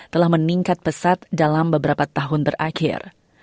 telah meningkat pesat dalam beberapa tahun terakhir